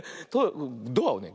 ドアをね